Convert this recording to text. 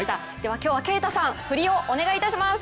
今日は啓太さん振りをお願いします。